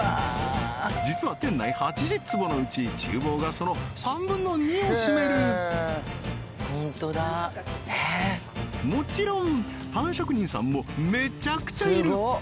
実は店内８０坪のうち厨房がその３分の２を占めるもちろんパン職人さんもめちゃくちゃいる！